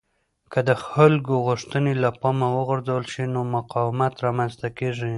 که د خلکو غوښتنې له پامه وغورځول شي نو مقاومت رامنځته کېږي